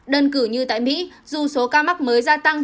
đơn cử như tại mỹ dù số ca mắc mới gia tăng